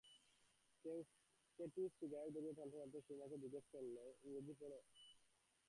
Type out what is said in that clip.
Katie cigarette ধরিয়ে টানতে টানতে সুরমাকে জিজ্ঞাসা করলে, ইংরেজি পড়?